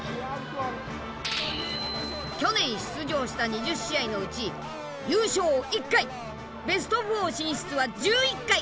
去年出場した２０試合のうち優勝１回ベスト４進出は１１回！